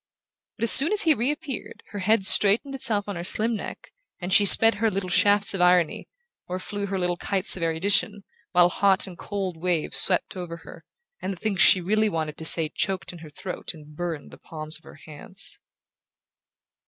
But as soon as he reappeared her head straightened itself on her slim neck and she sped her little shafts of irony, or flew her little kites of erudition, while hot and cold waves swept over her, and the things she really wanted to say choked in her throat and burned the palms of her hands.